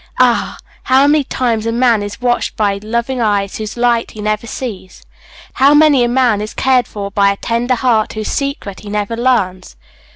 Ah! how many a man is watched by loving eyes whose light he never sees! how many a man is cared for by a tender heart whose secret he never learns!